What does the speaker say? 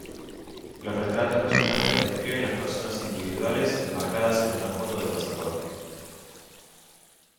Los "Retratos" resultantes describen las personas individuales enmarcadas en una foto de pasaporte.